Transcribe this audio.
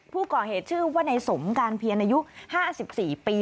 ผู้ก่อเหตุชื่อว่าในสมการเพียรอายุ๕๔ปี